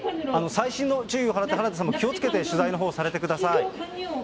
細心の注意を払って、原田さんも気をつけて取材のほうされてください。